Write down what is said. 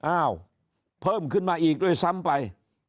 อ้าวเพิ่มขึ้นมาอีกด้วยซ้ำไป